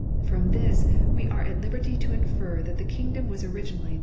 From this we are at liberty to infer that the kingdom was originally th« 3.